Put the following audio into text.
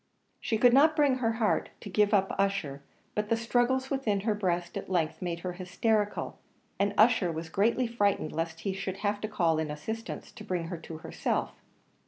She could not bring her heart to give up Ussher; but the struggles within her breast at length made her hysterical, and Ussher was greatly frightened lest he should have to call in assistance to bring her to herself.